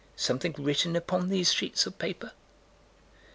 something written upon these sheets of paper?